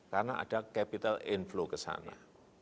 karena ada capital inflow ke sana